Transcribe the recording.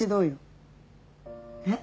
えっ？